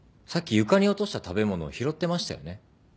さっき床に落とした食べ物を拾ってましたよね？